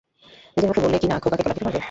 নিজের মুখে বললে কিনা খোকাকে গলা টিপে মারবে?